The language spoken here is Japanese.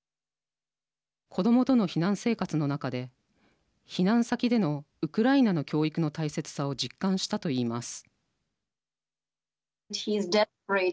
子どもとの避難生活の中で避難先でのウクライナの教育の大切さを実感したといいます。